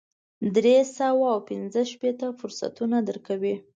درې سوه او پنځه شپېته فرصتونه درکوي.